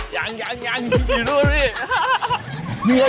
ยังอยู่ด้วยพี่